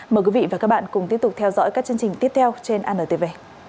mời quý vị và các bạn cùng tiếp tục theo dõi các chương trình tiếp theo trên antv